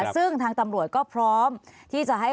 ซึ่งทางตำรวจก็พร้อมที่จะให้